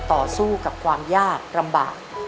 ต่อสู้กับความยากลำบาก